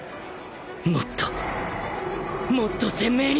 もっともっと鮮明に